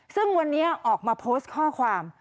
ซึ่งวันนี้ออกมาโพสต์ข้อความ